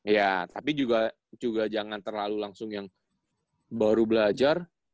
iya tapi juga jangan terlalu langsung yang baru belajar